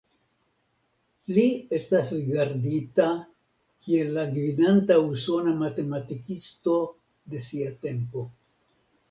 Li estas rigardita kiel la gvidanta usona matematikisto de sia tempo.